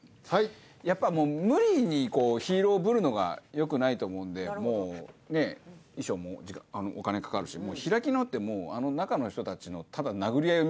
やっぱもう無理にヒーローぶるのがよくないと思うんでもうね衣装もお金かかるし開き直ってもう中の人たちのただ殴り合いを見せる。